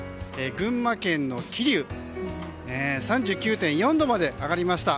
群馬県の桐生３９．４度まで上がりました。